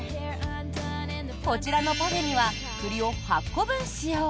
こちらのパフェには栗を８個分使用！